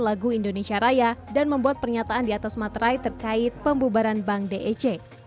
lagu indonesia raya dan membuat pernyataan diatas materai terkait pembubaran bank dej